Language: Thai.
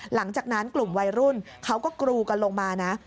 หลังจากนั้นกลุ่มวัยรุ่นเขาก็กรูกันลงมานะ